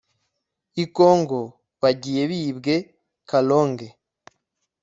i kongo bagiye bibwe, kalonge